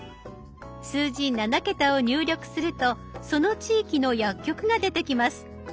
数字７桁を入力するとその地域の薬局が出てきます。